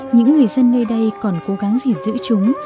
những người dân nơi đây còn cố gắng gìn giữ chúng